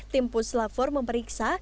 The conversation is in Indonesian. tim puslapfor memeriksa